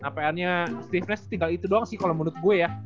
nah pr nya stiffness tinggal itu doang sih kalo menurut gue ya